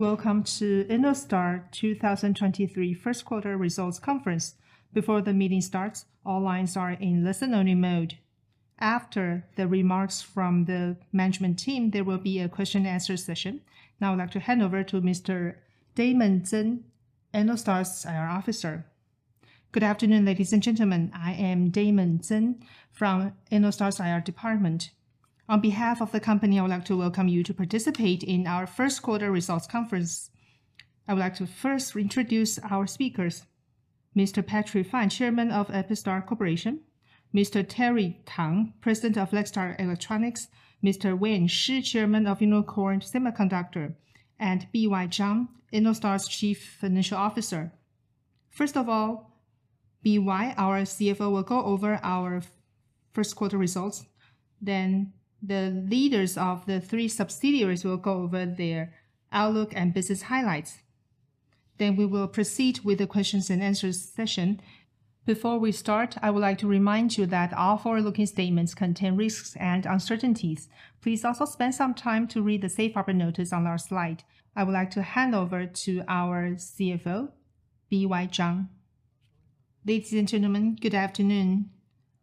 Welcome to ENNOSTAR 2023 Q1 results conference. Before the meeting starts, all lines are in listen-only mode. After the remarks from the management team, there will be a question and answer session. Now I would like to hand over to Mr. Damon Tseng, ENNOSTAR's IR officer. Good afternoon, ladies and gentlemen. I am Damon Tseng from ENNOSTAR's IR department. On behalf of the company, I would like to welcome you to participate in our Q1 results conference. I would like to first introduce our speakers, Mr. Patrick Fan, chairman of Epistar Corporation, Mr. Terry Tang, president of Lextar Electronics, Mr. Wayne Shi, chairman of Unikorn Semiconductor, and BY Chang, ENNOSTAR's chief financial officer. First of all, BY, our CFO, will go over our Q1 results. The leaders of the three subsidiaries will go over their outlook and business highlights. We will proceed with the questions and answers session. Before we start, I would like to remind you that all forward-looking statements contain risks and uncertainties. Please also spend some time to read the safe harbor notice on our slide. I would like to hand over to our CFO, BY Chang. Ladies and gentlemen, good afternoon.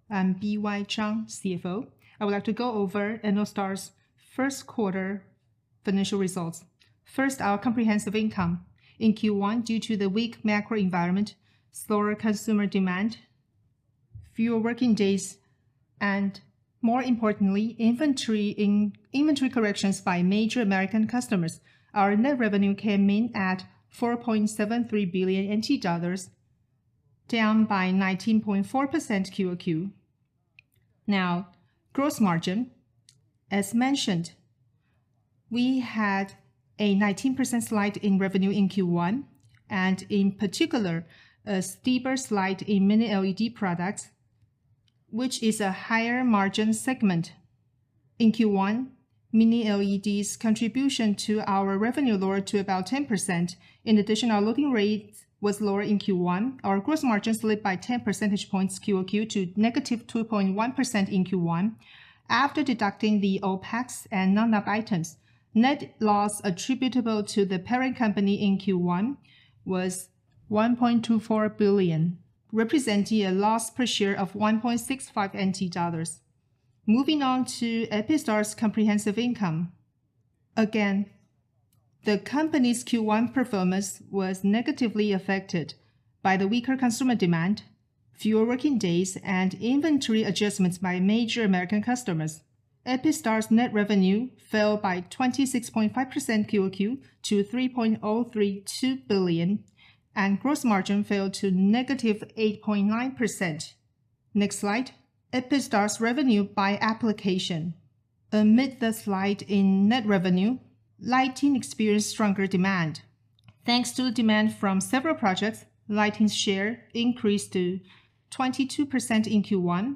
I'm BY Chang, CFO. I would like to go over Ennostar's Q1 financial results. First, our comprehensive income. In Q1, due to the weak macro environment, slower consumer demand, fewer working days, and more importantly, inventory corrections by major American customers, our net revenue came in at NTD 4.73 billion, down by 19.4% QOQ. Gross margin. As mentioned, we had a 19% slide in revenue in Q1 and, in particular, a steeper slide in Mini LED products, which is a higher margin segment. In Q1, Mini LED's contribution to our revenue lowered to about 10%. In addition, our loading rate was lower in Q1. Our gross margin slid by 10 percentage points QOQ to -2.1% in Q1. After deducting the OPEX and non-GAAP items, net loss attributable to the parent company in Q1 was NTD 1.24 billion, representing a loss per share of NTD 1.65. Moving on to Epistar's comprehensive income. Again, the company's Q1 performance was negatively affected by the weaker consumer demand, fewer working days, and inventory adjustments by major American customers. Epistar's net revenue fell by 26.5% QOQ to 3.032 billion, and gross margin fell to -8.9%. Next slide. Epistar's revenue by application. Amid the slide in net revenue, lighting experienced stronger demand. Thanks to demand from several projects, lighting's share increased to 22% in Q1,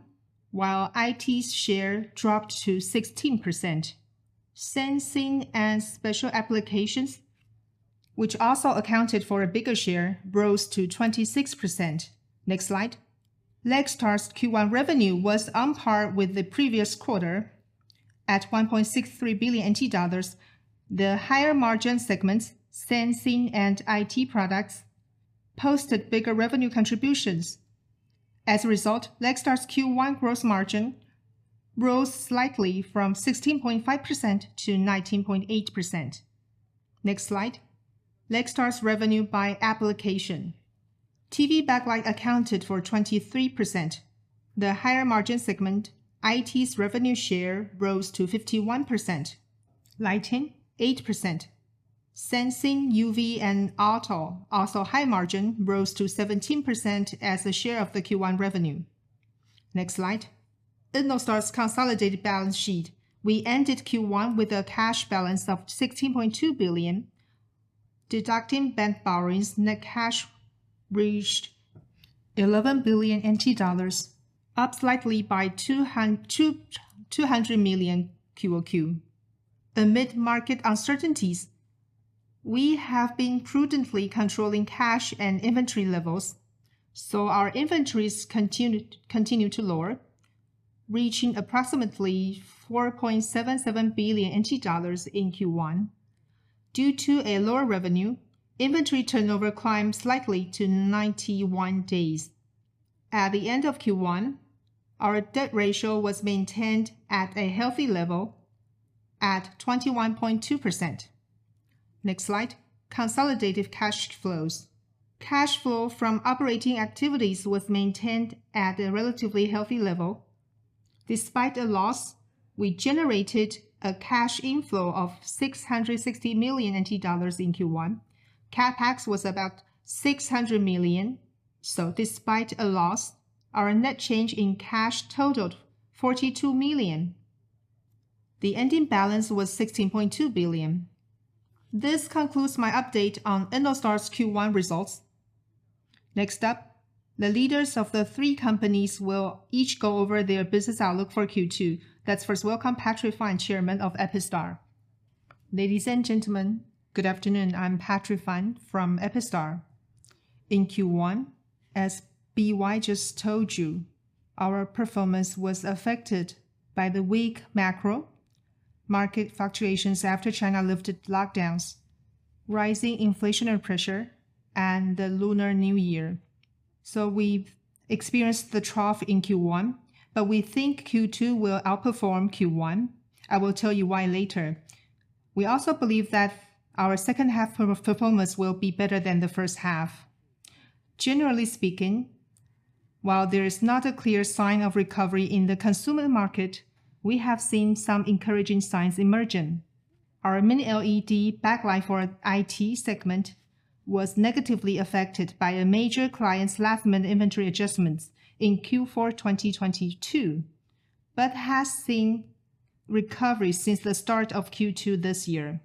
while IT's share dropped to 16%. Sensing and special applications, which also accounted for a bigger share, rose to 26%. Next slide. Lextar's Q1 revenue was on par with the previous quarter at 1.63 billion NT dollars. The higher margin segments, sensing and IT products, posted bigger revenue contributions. As a result, Lextar's Q1 gross margin rose slightly from 16.5% to 19.8%. Next slide. Lextar's revenue by application. TV backlight accounted for 23%. The higher margin segment, IT's revenue share rose to 51%. Lighting, 8%. Sensing UV and auto, also high margin, rose to 17% as a share of the Q1 revenue. Next slide. ENNOSTAR's consolidated balance sheet. We ended Q1 with a cash balance of 16.2 billion. Deducting bank borrowings, net cash reached 11 billion NT dollars, up slightly by 200 million QOQ. Amid market uncertainties, we have been prudently controlling cash and inventory levels, our inventories continued to lower, reaching approximately NTD 4.77 billion in Q1. Due to a lower revenue, inventory turnover climbed slightly to 91 days. At the end of Q1, our debt ratio was maintained at a healthy level at 21.2%. Next slide. Consolidated cash flows. Cash flow from operating activities was maintained at a relatively healthy level. Despite a loss, we generated a cash inflow of NTD 660 million in Q1. CapEx was about NTD 600 million. Despite a loss, our net change in cash totaled NTD 42 million. The ending balance was NTD 16.2 billion. This concludes my update on ENNOSTAR's Q1 results. Next up, the leaders of the three companies will each go over their business outlook for Q2. Let's first welcome Patrick Fan, Chairman of Epistar. Ladies and gentlemen, good afternoon. I'm Patrick Fan from Epistar. In Q1, as BY just told you, our performance was affected by the weak macro market fluctuations after China lifted lockdowns, rising inflationary pressure, and the Lunar New Year. We've experienced the trough in Q1, but we think Q2 will outperform Q1. I will tell you why later. We also believe that our second half performance will be better than the first half. Generally speaking, while there is not a clear sign of recovery in the consumer market, we have seen some encouraging signs emerging. Our Mini LED backlight for IT segment was negatively affected by a major client's last-minute inventory adjustments in Q4 2022, but has seen recovery since the start of Q2 this year.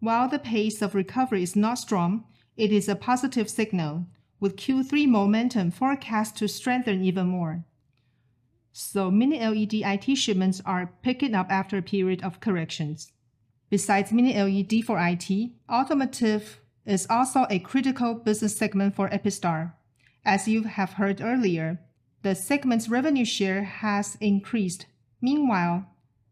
While the pace of recovery is not strong, it is a positive signal, with Q3 momentum forecast to strengthen even more. Mini LED IT shipments are picking up after a period of corrections. Besides Mini LED for IT, automotive is also a critical business segment for Epistar. As you have heard earlier, the segment's revenue share has increased. Meanwhile,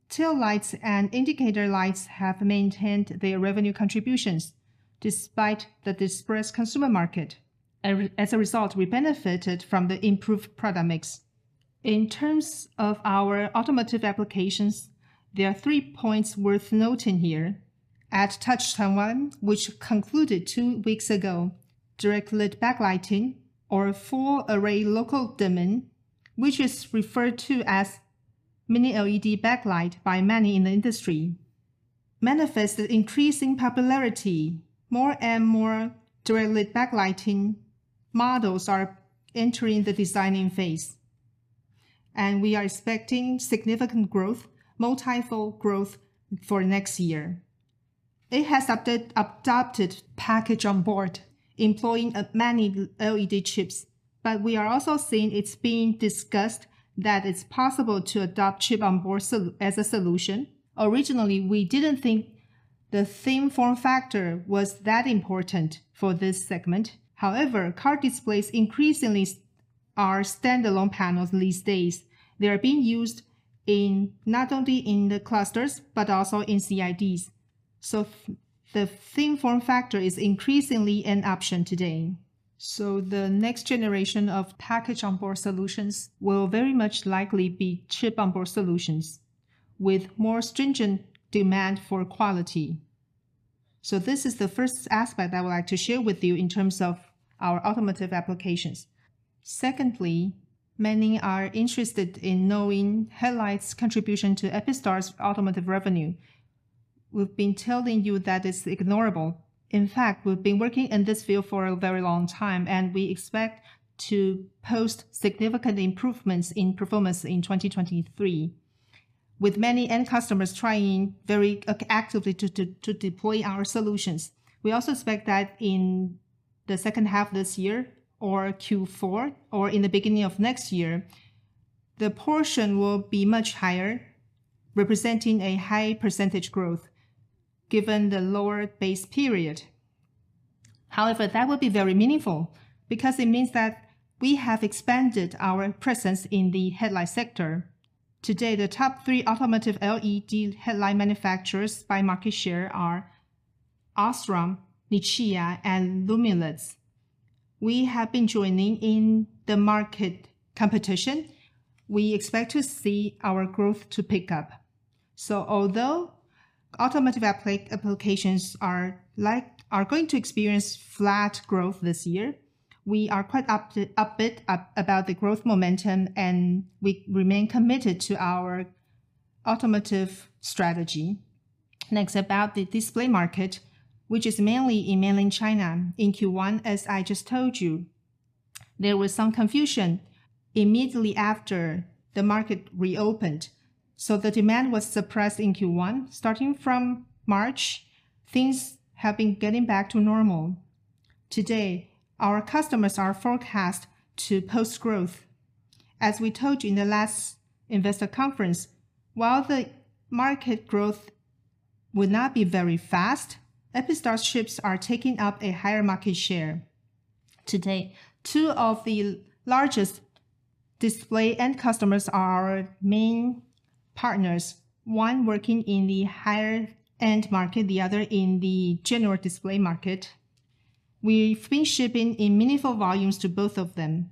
tail lights and indicator lights have maintained their revenue contributions despite the dispersed consumer market. As a result, we benefited from the improved product mix. In terms of our automotive applications, there are three points worth noting here. At Touch Taiwan, which concluded two weeks ago, direct-lit backlighting or full-array local dimming, which is referred to as Mini LED backlight by many in the industry, manifests the increasing popularity. More and more direct-lit backlighting models are entering the designing phase, and we are expecting significant growth, multi-fold growth for next year. It has adopted Package-on-Board employing many LED chips, but we are also seeing it's being discussed that it's possible to adopt Chip-on-Board as a solution. Originally, we didn't think the thin form factor was that important for this segment. However, car displays increasingly are standalone panels these days. They are being used in not only in the clusters, but also in CIDs. The thin form factor is increasingly an option today. The next generation of Package-on-Board solutions will very much likely be Chip-on-Board solutions with more stringent demand for quality. This is the first aspect I would like to share with you in terms of our automotive applications. Secondly, many are interested in knowing headlights contribution to Epistar's automotive revenue. We've been telling you that it's ignorable. In fact, we've been working in this field for a very long time, and we expect to post significant improvements in performance in 2023, with many end customers trying very actively to deploy our solutions. We also expect that in the second half this year or Q4 or in the beginning of next year, the portion will be much higher, representing a high percentage growth, given the lower base period. However, that would be very meaningful because it means that we have expanded our presence in the headlight sector. Today, the top three automotive LED headlight manufacturers by market share are Osram, Nichia, and Lumileds. We have been joining in the market competition. We expect to see our growth to pick up. Although automotive applications are going to experience flat growth this year, we are quite upbeat about the growth momentum, and we remain committed to our automotive strategy. Next, about the display market, which is mainly in mainland China. In Q1, as I just told you, there was some confusion immediately after the market reopened. The demand was suppressed in Q1. Starting from March, things have been getting back to normal. Today, our customers are forecast to post growth. As we told you in the last investor conference, while the market growth will not be very fast, Epistar's chips are taking up a higher market share. To date, two of the largest display end customers are our main partners, one working in the higher-end market, the other in the general display market. We've been shipping in meaningful volumes to both of them.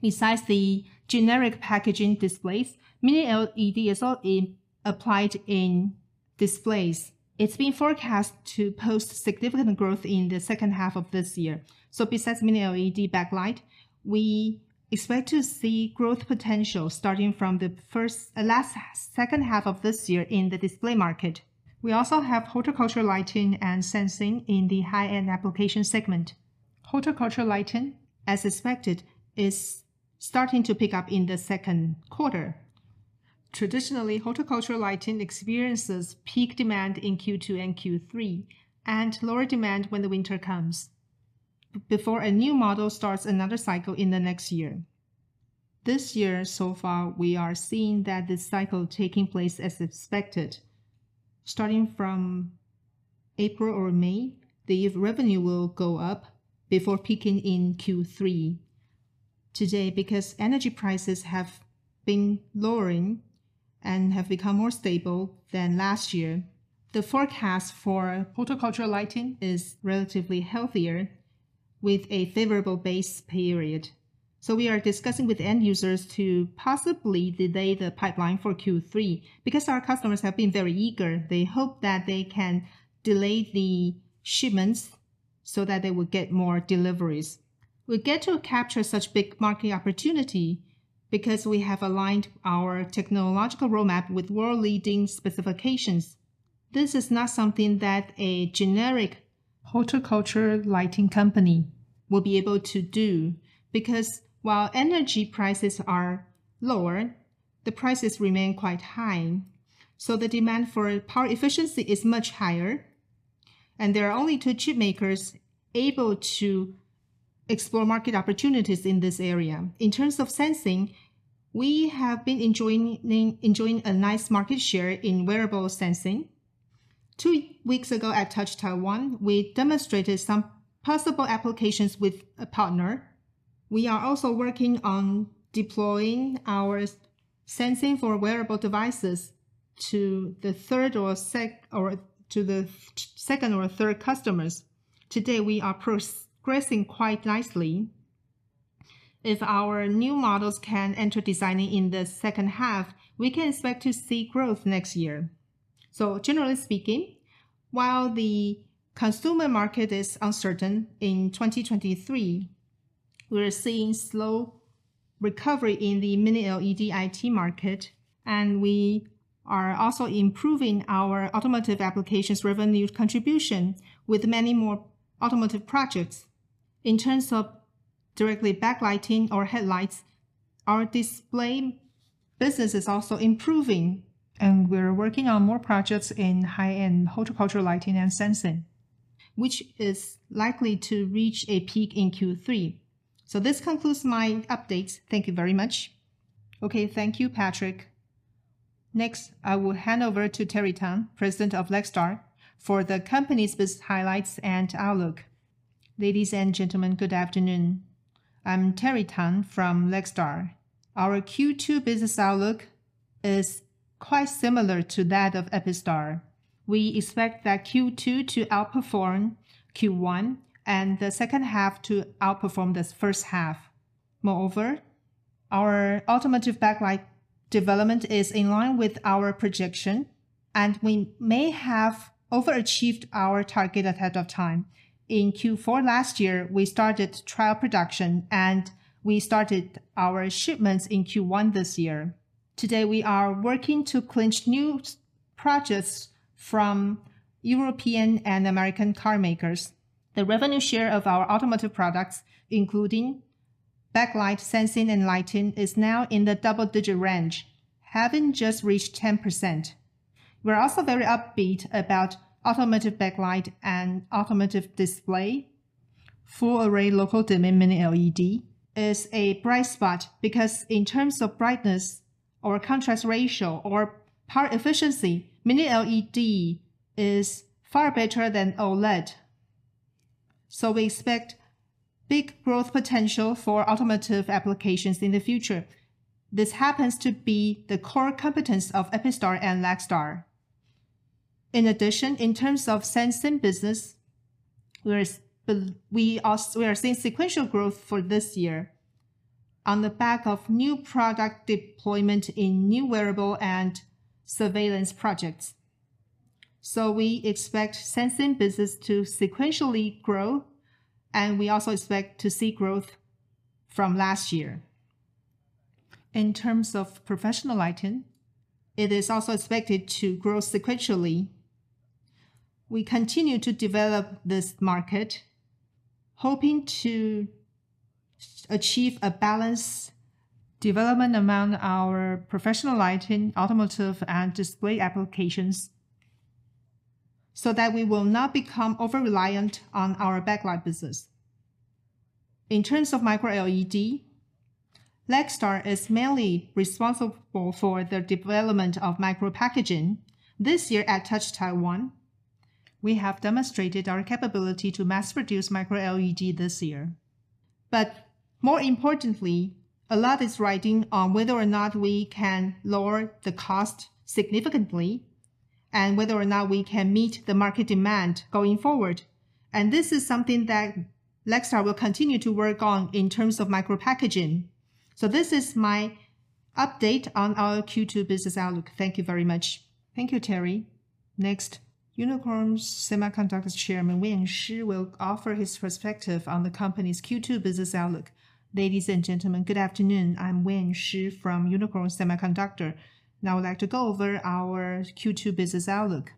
Besides the generic packaging displays, Mini LED is applied in displays. It's been forecast to post significant growth in the second half of this year. Besides Mini LED backlight, we expect to see growth potential starting from the second half of this year in the display market. We also have horticultural lighting and sensing in the high-end application segment. Horticultural lighting, as expected, is starting to pick up in the Q2. Traditionally, horticultural lighting experiences peak demand in Q2 and Q3 and lower demand when the winter comes, before a new model starts another cycle in the next year. This year so far, we are seeing that this cycle taking place as expected. Starting from April or May, the revenue will go up before peaking in Q3. Today, because energy prices have been lowering and have become more stable than last year, the forecast for horticultural lighting is relatively healthier with a favorable base period. We are discussing with end users to possibly delay the pipeline for Q3. Our customers have been very eager, they hope that they can delay the shipments so that they will get more deliveries. We get to capture such big market opportunity because we have aligned our technological roadmap with world-leading specifications. This is not something that a generic horticulture lighting company will be able to do, because while energy prices are lower, the prices remain quite high, so the demand for power efficiency is much higher, and there are only two chipmakers able to explore market opportunities in this area. In terms of sensing, we have been enjoying a nice market share in wearable sensing. Two weeks ago at Touch Taiwan, we demonstrated some possible applications with a partner. We are also working on deploying our sensing for wearable devices to the second or third customers. Today, we are progressing quite nicely. If our new models can enter designing in the second half, we can expect to see growth next year. Generally speaking, while the consumer market is uncertain in 2023, we're seeing slow recovery in the Mini LED IT market, and we are also improving our automotive applications revenue contribution with many more automotive projects. In terms of directly backlighting or headlights, our display business is also improving, and we're working on more projects in high-end horticultural lighting and sensing, which is likely to reach a peak in Q3. This concludes my update. Thank you very much. Okay. Thank you, Mr. Patrick Fan. Next, I will hand over to Mr. Terry Tang, President of Lextar, for the company's highlights and outlook. Ladies and gentlemen, good afternoon. I'm Mr. Terry Tang from Lextar. Our Q2 business outlook is quite similar to that of Epistar. We expect that Q2 to outperform Q1, and the second half to outperform the first half. Our automotive backlight development is in line with our projection, and we may have overachieved our target ahead of time. In Q4 last year, we started trial production, and we started our shipments in Q1 this year. Today, we are working to clinch new projects from European and American carmakers. The revenue share of our automotive products, including backlight sensing and lighting, is now in the double-digit range, having just reached 10%. We're also very upbeat about automotive backlight and automotive display. Full-array local dimming Mini LED is a bright spot because in terms of brightness or contrast ratio or power efficiency, Mini LED is far better than OLED. We expect big growth potential for automotive applications in the future. This happens to be the core competence of Epistar and Lextar. In addition, in terms of sensing business, we are seeing sequential growth for this year on the back of new product deployment in new wearable and surveillance projects. We expect sensing business to sequentially grow, and we also expect to see growth from last year. In terms of professional lighting, it is also expected to grow sequentially. We continue to develop this market, hoping to achieve a balanced development among our professional lighting, automotive, and display applications, so that we will not become over-reliant on our backlight business. In terms of Micro-LED, Lextar is mainly responsible for the development of micro-packaging. This year at Touch Taiwan, we have demonstrated our capability to mass produce Micro-LED this year. More importantly, a lot is riding on whether or not we can lower the cost significantly and whether or not we can meet the market demand going forward. This is something that Lextar will continue to work on in terms of micro-packaging. This is my update on our Q2 business outlook. Thank you very much. Thank you, Terry. Next, Unikorn Semiconductor's Chairman Wen Shi will offer his perspective on the company's Q2 business outlook. Ladies and gentlemen, good afternoon. I'm Wen Shi from Unikorn Semiconductor. I'd like to go over our Q2 business outlook.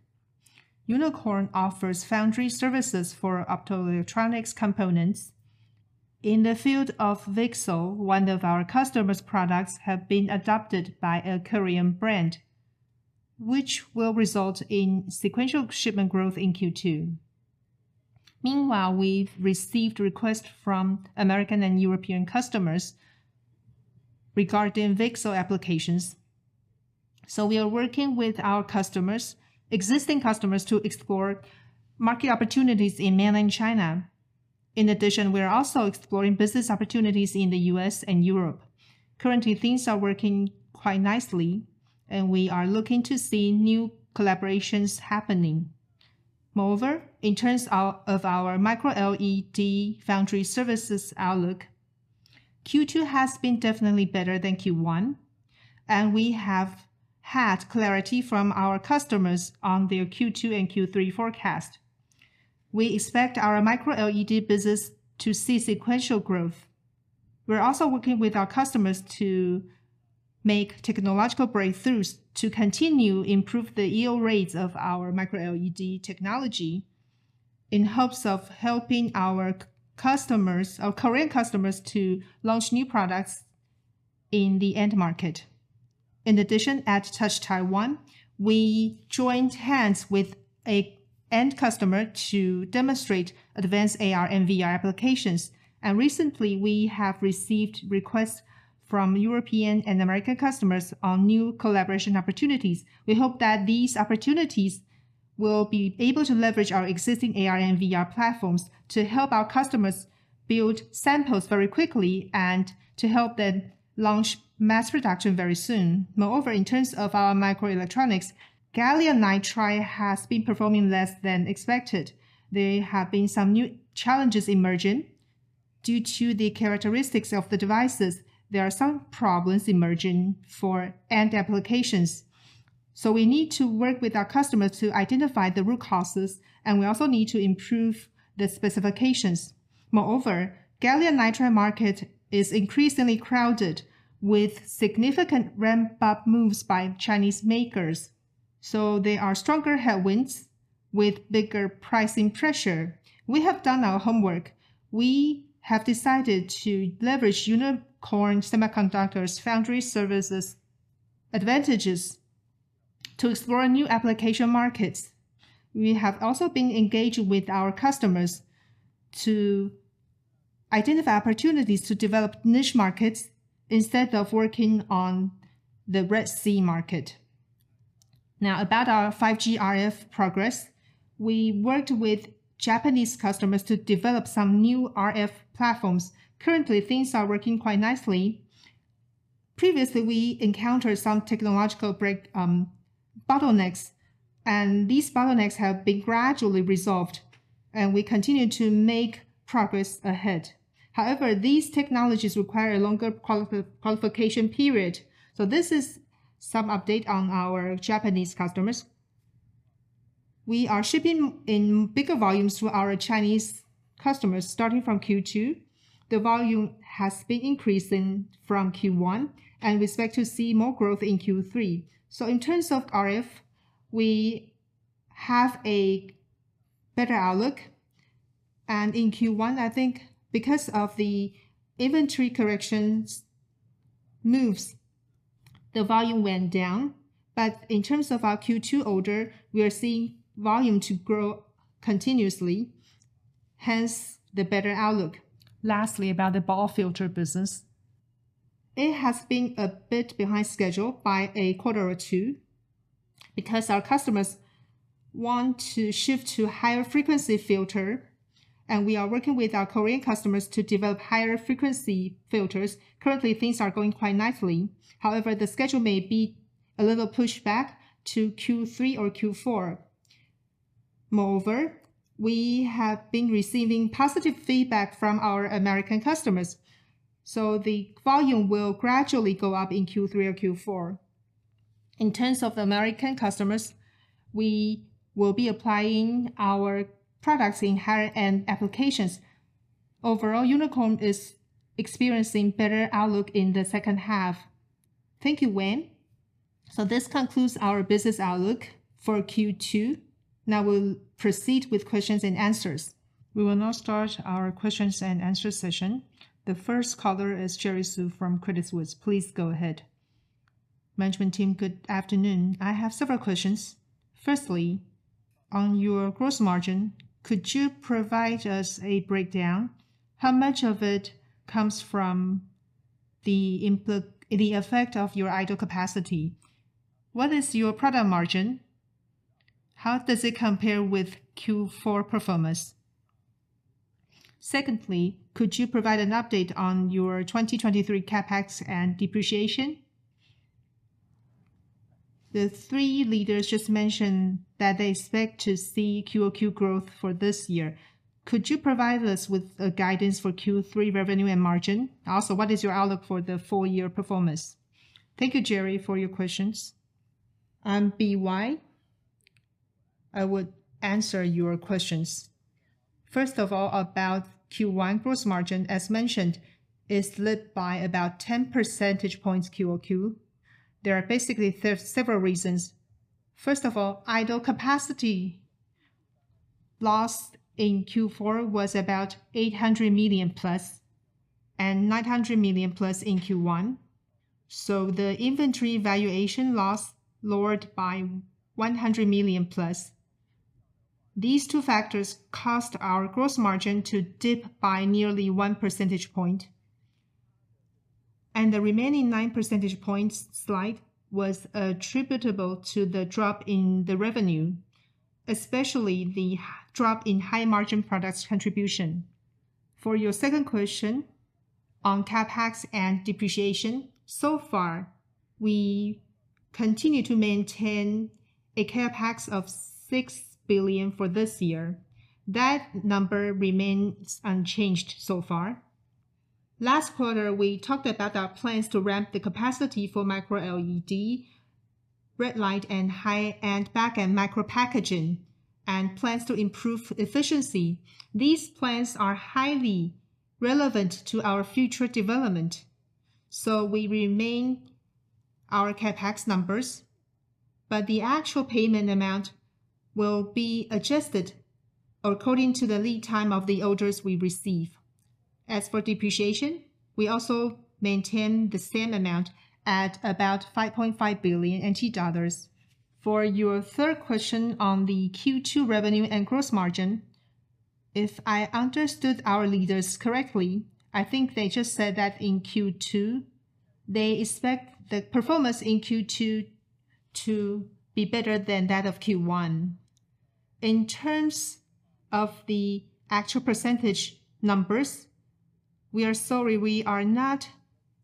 Unikorn offers foundry services for optoelectronics components. In the field of VCSEL, one of our customers' products have been adopted by a Korean brand, which will result in sequential shipment growth in Q2. Meanwhile, we've received requests from American and European customers regarding VCSEL applications. We are working with our customers, existing customers, to explore market opportunities in mainland China. In addition, we are also exploring business opportunities in the US and Europe. Currently, things are working quite nicely, and we are looking to see new collaborations happening. Moreover, in terms of our Micro LED foundry services outlook, Q2 has been definitely better than Q1, and we have had clarity from our customers on their Q2 and Q3 forecast. We expect our Micro LED business to see sequential growth. We're also working with our customers to make technological breakthroughs to continue improve the yield rates of our Micro LED technology in hopes of helping our customers, our Korean customers, to launch new products in the end market. In addition, at Touch Taiwan, we joined hands with a end customer to demonstrate advanced AR and VR applications. Recently we have received requests from European and American customers on new collaboration opportunities. We hope that these opportunities will be able to leverage our existing AR and VR platforms to help our customers build samples very quickly and to help them launch mass production very soon. Moreover, in terms of our microelectronics, gallium nitride has been performing less than expected. There have been some new challenges emerging. Due to the characteristics of the devices, there are some problems emerging for end applications. We need to work with our customers to identify the root causes, and we also need to improve the specifications. Moreover, gallium nitride market is increasingly crowded with significant ramp-up moves by Chinese makers, so there are stronger headwinds with bigger pricing pressure. We have done our homework. We have decided to leverage Unikorn Semiconductor's foundry services advantages to explore new application markets. We have also been engaging with our customers to identify opportunities to develop niche markets instead of working on the Red Ocean market. About our 5G RF progress. We worked with Japanese customers to develop some new RF platforms. Currently, things are working quite nicely. Previously, we encountered some technological bottlenecks, and these bottlenecks have been gradually resolved, and we continue to make progress ahead. However, these technologies require a longer qualification period. This is some update on our Japanese customers. We are shipping in bigger volumes to our Chinese customers starting from Q2. The volume has been increasing from Q1, and we expect to see more growth in Q3. In terms of RF, we have a better outlook. In Q1, I think because of the inventory corrections moves, the volume went down.In terms of our Q2 order, we are seeing volume to grow continuously, hence the better outlook. Lastly, about the BAW filter business. It has been a bit behind schedule by a quarter or two because our customers want to shift to higher frequency filter, and we are working with our Korean customers to develop higher frequency filters. Currently, things are going quite nicely. However, the schedule may be a little pushed back to Q3 or Q4. Moreover, we have been receiving positive feedback from our American customers, so the volume will gradually go up in Q3 or Q4. In terms of American customers, we will be applying our products in higher-end applications. Overall, Unikorn is experiencing better outlook in the second half. Thank you, Wayne. This concludes our business outlook for Q2. Now we'll proceed with questions and answers. We will now start our questions and answer session. The first caller is Jerry Xu from Credit Suisse. Please go ahead. Management team, good afternoon. I have several questions. Firstly, on your gross margin, could you provide us a breakdown? How much of it comes from the effect of your idle capacity? What is your product margin? How does it compare with Q4 performance? Secondly, could you provide an update on your 2023 CapEx and depreciation? The three leaders just mentioned that they expect to see QoQ growth for this year. What is your outlook for the full year performance? Thank you, Jerry, for your questions. I'm BY. I would answer your questions. About Q1 gross margin, as mentioned, is led by about 10 percentage points QoQ. There are basically several reasons. Idle capacity lost in Q4 was about 800 million plus and 900 million plus in Q1. The inventory valuation loss lowered by 100 million plus. These two factors caused our gross margin to dip by nearly one percentage point. The remaining nine percentage points slide was attributable to the drop in the revenue, especially the drop in high margin products contribution. Your second question on CapEx and depreciation, so far, we continue to maintain a CapEx of 6 billion for this year. That number remains unchanged so far. Last quarter, we talked about our plans to ramp the capacity for Micro LED, red light, and high-end backend micro packaging, and plans to improve efficiency. These plans are highly relevant to our future development. We remain our CapEx numbers, but the actual payment amount will be adjusted according to the lead time of the orders we receive. As for depreciation, we also maintain the same amount at about NTD 5.5 billion. For your third question on the Q2 revenue and gross margin, if I understood our leaders correctly, I think they just said that in Q2, they expect the performance in Q2 to be better than that of Q1. In terms of the actual percentage numbers, we are sorry, we are not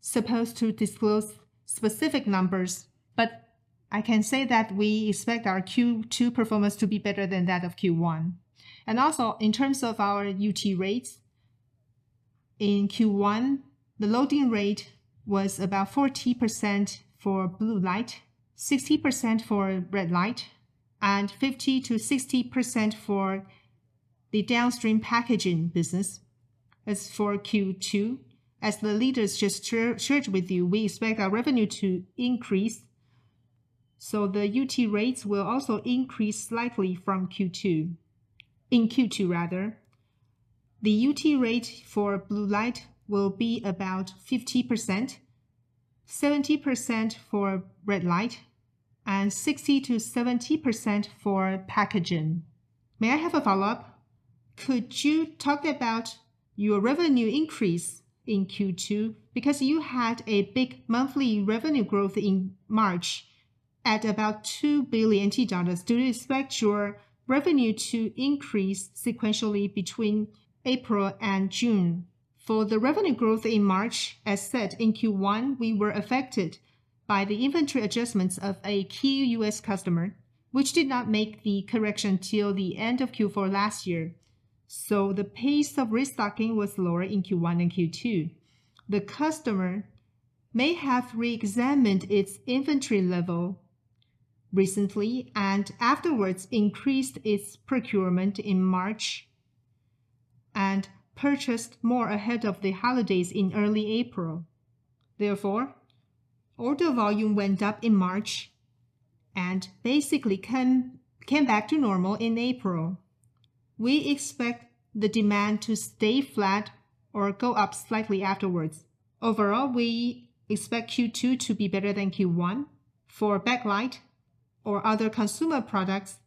supposed to disclose specific numbers, but I can say that we expect our Q2 performance to be better than that of Q1. In terms of our utilization rates, in Q1, the loading rate was about 40% for blue light, 60% for red light, and 50%-60% for the downstream packaging business. Q2, as the leaders just shared with you, we expect our revenue to increase, so the utilization rates will also increase slightly from Q2. In Q2, rather, the UT rate for blue light will be about 50%, 70% for red light, and 60%-70% for packaging. May I have a follow-up? Could you talk about your revenue increase in Q2? Because you had a big monthly revenue growth in March at about 2 billion dollars. Do you expect your revenue to increase sequentially between April and June? For the revenue growth in March, as said in Q1, we were affected by the inventory adjustments of a key US customer, which did not make the correction till the end of Q4 last year, so the pace of restocking was lower in Q1 and Q2. The customer may have re-examined its inventory level recently and afterwards increased its procurement in March and purchased more ahead of the holidays in early April. Therefore, order volume went up in March and basically came back to normal in April. We expect the demand to stay flat or go up slightly afterwards. Overall, we expect Q2 to be better than Q1. For backlight or other consumer products,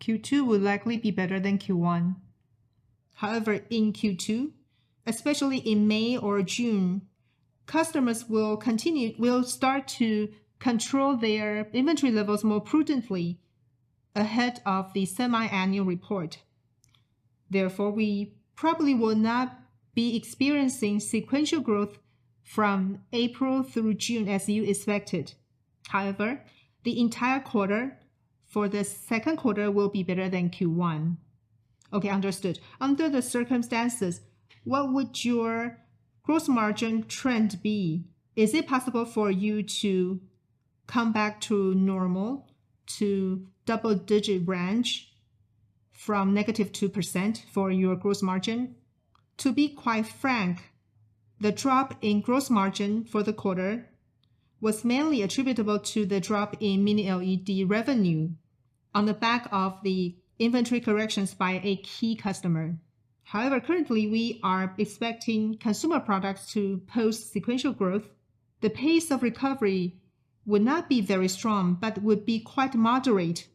Q2 will likely be better than Q1. However, in Q2, especially in May or June, customers will start to control their inventory levels more prudently ahead of the semi-annual report. We probably will not be experiencing sequential growth from April through June as you expected. The entire quarter for the Q2 will be better than Q1. Okay. Understood. Under the circumstances, what would your gross margin trend be? Is it possible for you to come back to normal to double digit range from -2% for your gross margin? To be quite frank, the drop in gross margin for the quarter was mainly attributable to the drop in Mini LED revenue on the back of the inventory corrections by a key customer. Currently, we are expecting consumer products to post sequential growth. The pace of recovery would not be very strong, but would be quite moderate.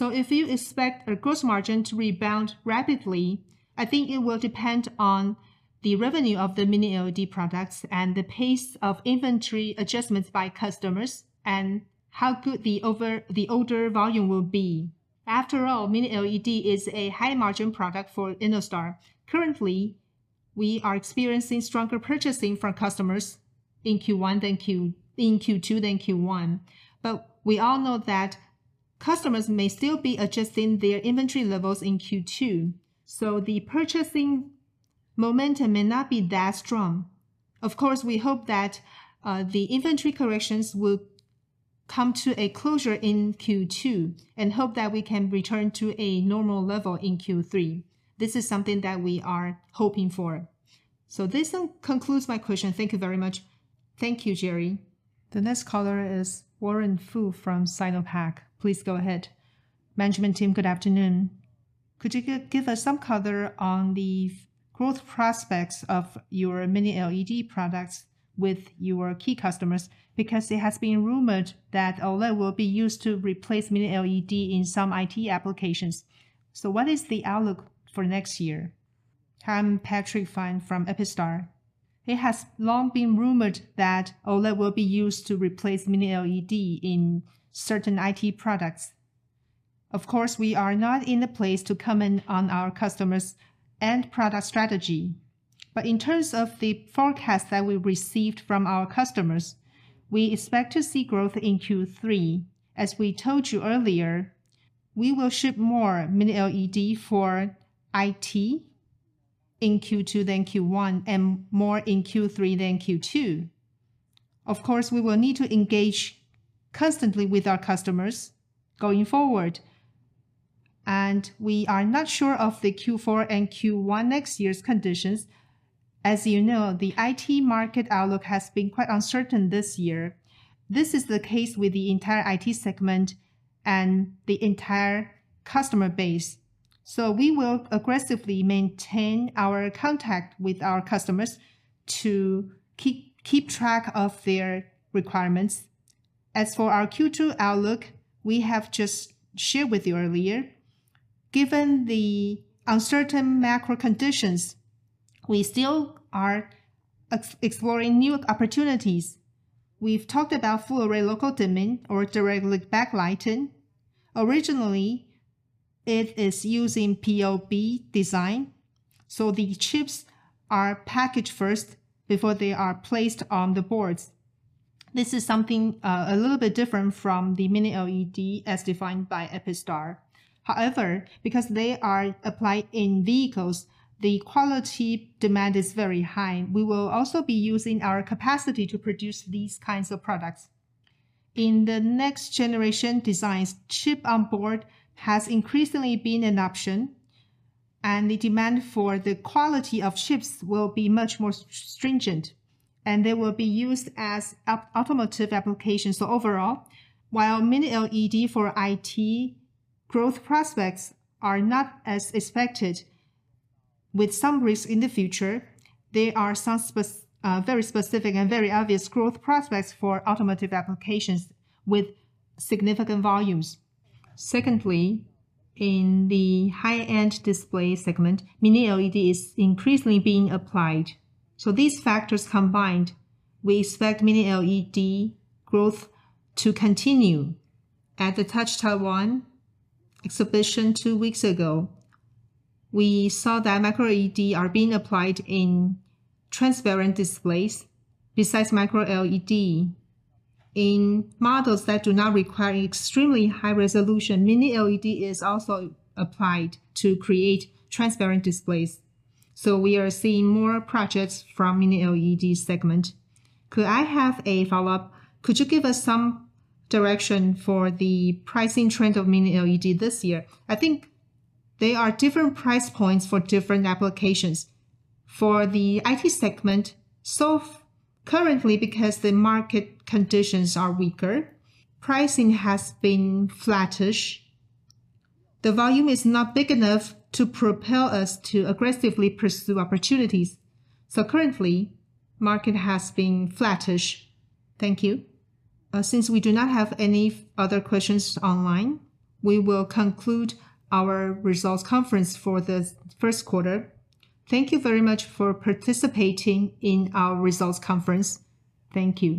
If you expect our gross margin to rebound rapidly, I think it will depend on the revenue of the Mini LED products and the pace of inventory adjustments by customers and how good the order volume will be. After all, Mini LED is a high margin product for ENNOSTAR. Currently, we are experiencing stronger purchasing from customers in Q1 than in Q2 than Q1. We all know that customers may still be adjusting their inventory levels in Q2, so the purchasing momentum may not be that strong. Of course, we hope that the inventory corrections will come to a closure in Q2 and hope that we can return to a normal level in Q3. This is something that we are hoping for. This concludes my question. Thank you very much. Thank you, Jerry. The next caller is Warren Fu from SinoPac. Please go ahead. Management team, good afternoon. Could you give us some color on the growth prospects of your Mini LED products with your key customers? Because it has been rumored that OLED will be used to replace Mini LED in some IT applications. What is the outlook for next year? I'm Patrick Fan from Epistar. It has long been rumored that OLED will be used to replace Mini LED in certain IT products. Of course, we are not in a place to comment on our customers end product strategy. In terms of the forecast that we received from our customers, we expect to see growth in Q3. As we told you earlier, we will ship more Mini LED for IT in Q2 than Q1, and more in Q3 than Q2. Of course, we will need to engage constantly with our customers going forward, and we are not sure of the Q4 and Q1 next year's conditions. As you know, the IT market outlook has been quite uncertain this year. This is the case with the entire IT segment and the entire customer base. We will aggressively maintain our contact with our customers to keep track of their requirements. As for our Q2 outlook, we have just shared with you earlier, given the uncertain macro conditions, we still are exploring new opportunities. We've talked about full-array local dimming or direct-lit backlighting. Originally, it is using POB design, so the chips are packaged first before they are placed on the boards. This is something a little bit different from the Mini LED as defined by Epistar. Because they are applied in vehicles, the quality demand is very high. We will also be using our capacity to produce these kinds of products. In the next generation designs, Chip-on-Board has increasingly been an option, and the demand for the quality of chips will be much more stringent, and they will be used as automotive applications. Overall, while Mini LED for IT growth prospects are not as expected with some risk in the future, there are some very specific and very obvious growth prospects for automotive applications with significant volumes. Secondly, in the high-end display segment, Mini LED is increasingly being applied. These factors combined, we expect Mini LED growth to continue. At the Touch Taiwan exhibition two weeks ago, we saw that Micro LED are being applied in transparent displays. Besides Micro LED, in models that do not require extremely high resolution, Mini LED is also applied to create transparent displays. We are seeing more projects from Mini LED segment. Could I have a follow-up? Could you give us some direction for the pricing trend of Mini LED this year? I think there are different price points for different applications. For the IT segment, currently, because the market conditions are weaker, pricing has been flattish. The volume is not big enough to propel us to aggressively pursue opportunities. Currently, market has been flattish. Thank you. Since we do not have any other questions online, we will conclude our results conference for the Q1. Thank you very much for participating in our results conference. Thank you.